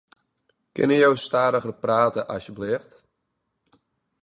Kinne jo stadiger prate asjebleaft?